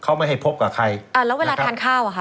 เขาไม่ให้พบกับใครแล้วเวลาทานข้าว